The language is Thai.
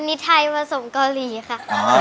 พี่ไอ๋โอเคมากเลยค่ะ